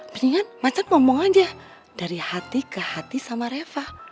mendingan macet ngomong aja dari hati ke hati sama reva